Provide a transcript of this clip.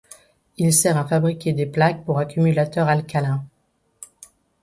Il sert à fabriquer des plaques pour accumulateurs alcalins.